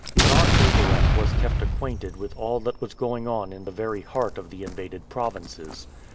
Ivan Ogareff was kept acquainted with all that was going on in the very heart of the invaded provinces.